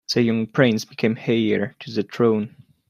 The young prince became heir to the throne.